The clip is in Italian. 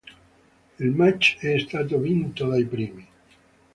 Il match è stato vinto dai primi.